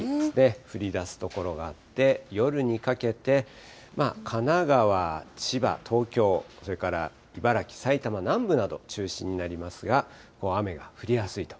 降りだす所があって、夜にかけて神奈川、千葉、東京、それから茨城、埼玉南部など中心になりますが、雨が降りやすいと。